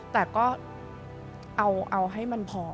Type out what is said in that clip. แต่ก็เอาให้มันพอ